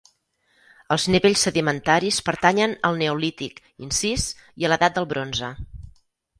Els nivells sedimentaris pertanyen al Neolític incís i a l'Edat del Bronze.